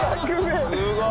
すごい！